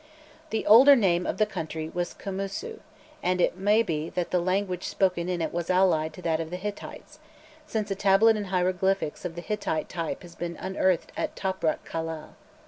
The older name of the country was Kumussu, and it may be that the language spoken in it was allied to that of the Hittites, since a tablet in hieroglyphics of the Hittite type has been unearthed at Toprak Kaleh.